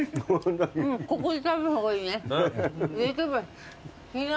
ここで食べた方がいいね。